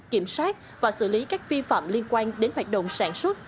kiểm soát và xử lý các vi phạm liên quan đến hoạt động sản xuất